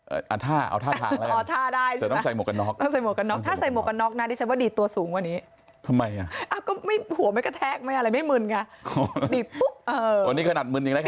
เอาท่าเอาท่าทางเลยอ๋อท่าได้ใช่ป่ะแต่ต้องใส่หมวกกันน็อก